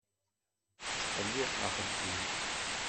Tettqellib axeddim.